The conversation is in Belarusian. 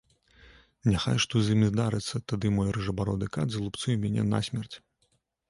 Няхай што з імі здарыцца, тады мой рыжабароды кат залупцуе мяне насмерць.